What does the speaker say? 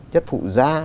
chất phụ da